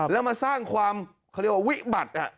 แล้วมาสร้างความวิบัติ